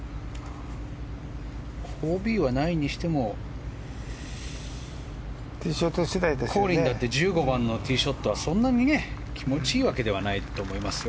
ＯＢはないにしてもコリンだって１５番のティーショットはそんなに気持ちがいいわけではないと思いますよ。